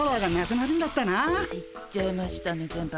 言っちゃいましたね先輩。